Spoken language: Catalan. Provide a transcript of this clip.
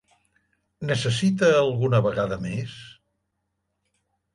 Necessita alguna vegada més?